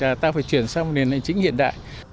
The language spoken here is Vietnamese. chương trình ta phải chuyển sang một nền hành chính hiện đại